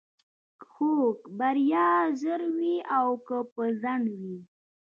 خو بريا ژر وي او که په ځنډ وي.